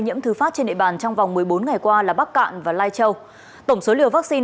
nhiễm thứ phát trên địa bàn trong vòng một mươi bốn ngày qua là bắc cạn và lai châu tổng số liều vaccine